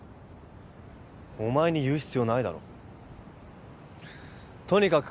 お前に言う必要ないだろとにかく